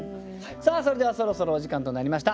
さあそれではそろそろお時間となりました。